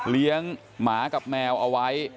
เลี้ยงหมากับแมวเอาไว้